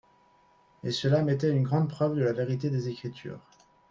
Et celà m'était une grande preuve de la vérité des Écritures.